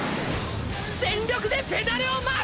全力でペダルを回す！！